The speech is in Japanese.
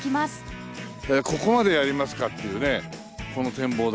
ここまでやりますかっていうねこの展望台。